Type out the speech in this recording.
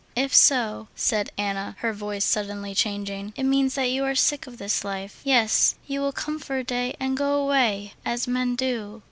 "If so," said Anna, her voice suddenly changing, "it means that you are sick of this life.... Yes, you will come for a day and go away, as men do...."